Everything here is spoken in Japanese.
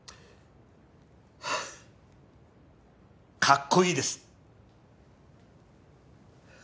かっこいいです。